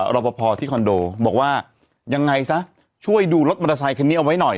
รอปภที่คอนโดบอกว่ายังไงซะช่วยดูรถมอเตอร์ไซคันนี้เอาไว้หน่อย